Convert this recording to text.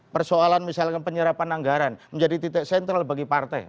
persoalan misalkan penyerapan anggaran menjadi titik sentral bagi partai